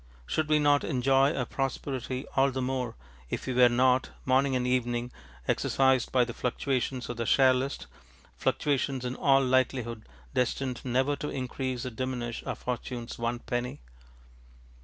Should we not enjoy our prosperity all the more if we were not, morning and evening, exercised by the fluctuations of the share list, fluctuations in all likelihood destined never to increase or diminish our fortunes one penny?